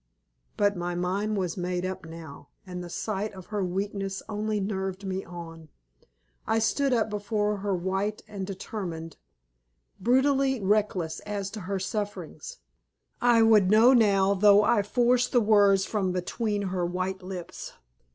But my mind was made up now, and the sight of her weakness only nerved me on. I stood up before her white and determined brutally reckless as to her sufferings. I would know now, though I forced the words from between her white lips.